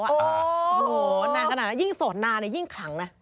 โอ้โหน่าขนาดนั้นยิ่งสดนานน่ะยิ่งขังน่ะ